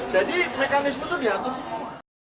jadi mekanisme itu diatur semua